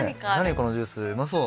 このジュース。うまそう。